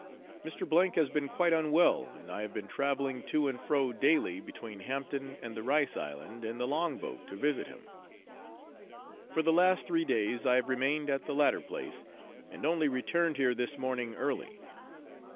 Mr. has been quite unwell, and I have been travelling to and fro daily between Hampton and the Rice Island in the long boat to visit him; for the last three days I have remained at the latter place, and only returned here this morning early.